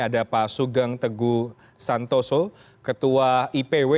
ada pak sugeng teguh santoso ketua ipw